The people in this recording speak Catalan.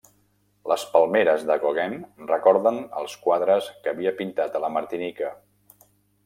Les palmeres de Gauguin recorden els quadres que havia pintat a la Martinica.